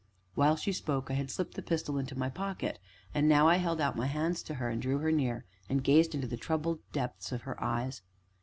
While she spoke, I had slipped the pistol into my pocket, and now I held out my hands to her, and drew her near, and gazed into the troubled depths of her eyes.